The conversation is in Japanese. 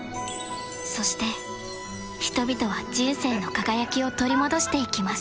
そして人々は人生の輝きを取り戻していきます